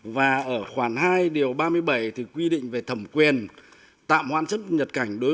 và ở khoảng hai điều ba mươi bảy thì quy định về thẩm quyền tạm hoãn xuất nhập cảnh